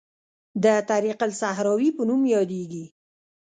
د طریق الصحراوي په نوم یادیږي.